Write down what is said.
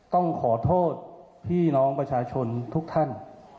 ต้องขอโทษพี่น้องประชาชนทุกท่าน